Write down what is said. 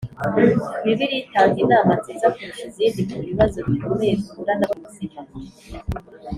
Bibiliya itanga inama nziza kurusha izindi ku bibazo bikomeye duhura na byo mu buzima